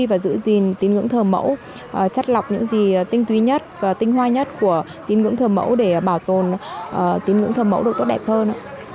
và giữ gìn tín hưởng thờ mẫu chất lọc những gì tinh tuy nhất và tinh hoa nhất của tín hưởng thờ mẫu để bảo tồn tín hưởng thờ mẫu được tốt đẹp hơn